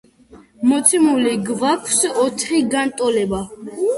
მოცემული გვაქვს ოთხი განტოლება.